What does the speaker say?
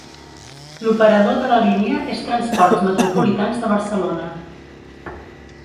L'operador de la línia és Transports Metropolitans de Barcelona.